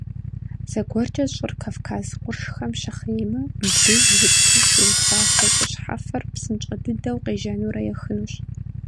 Зыгуэркӏэ щӏыр Кавказ къуршхэм щыхъеймэ, мыбдеж иджыпсту щыуфафэ щӏы щхьэфэр псынщӏэ дыдэу къежьэнурэ ехынущ.